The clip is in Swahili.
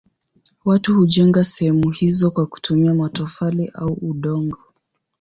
Watu hujenga sehemu hizo kwa kutumia matofali au udongo.